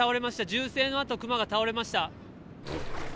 銃声のあと、クマが倒れました。